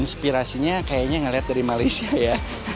inspirasinya kayaknya ngelihat dari malaysia ya